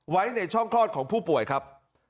ไว้ในช่องคลอดของผู้ป่วยครับ